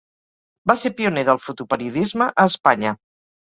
Va ser pioner del fotoperiodisme a Espanya.